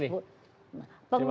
ya iya saya itu pengurus